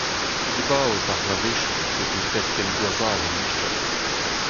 Dibaot ar c'hleñvedoù hag o deus graet ken gwazh all en istor.